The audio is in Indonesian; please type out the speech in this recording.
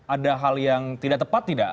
ada hal yang tidak tepat tidak